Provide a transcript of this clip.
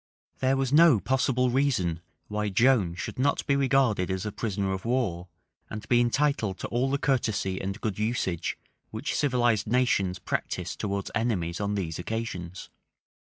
{1431.} There was no possible reason why Joan should not be regarded as a prisoner of war, and be entitled to all the courtesy and good usage which civilized nations practise towards enemies on these occasions.